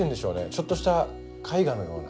ちょっとした絵画のような。